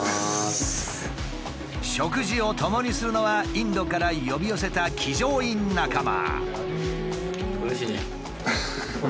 食事をともにするのはインドから呼び寄せた騎乗員仲間。